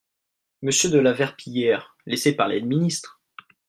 Monsieur de La Verpillière, laissez parler le ministre